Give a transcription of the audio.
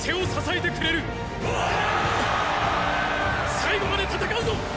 最後まで戦うぞ！！